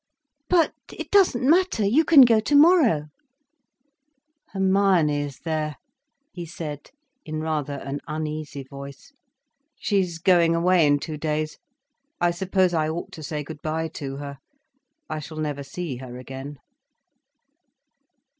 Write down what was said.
"But—it doesn't matter—you can go tomorrow—" "Hermione is there," he said, in rather an uneasy voice. "She is going away in two days. I suppose I ought to say good bye to her. I shall never see her again."